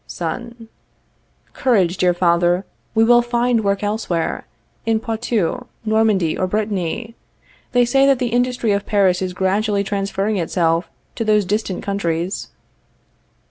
Son. Courage, dear father, we will find work elsewhere in Poitou, Normandy or Brittany. They say that the industry of Paris is gradually transferring itself to those distant countries.